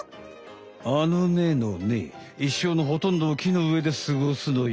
あのねのねいっしょうのほとんどを木の上ですごすのよ。